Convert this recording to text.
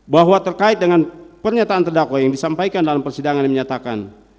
bahwa terkait dengan pernyataan terdakwa yang disampaikan dalam persidangan yang menyatakan